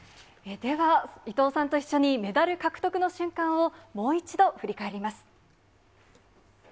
では、伊藤さんと一緒にメダル獲得の瞬間を、もう一度、振り返ります。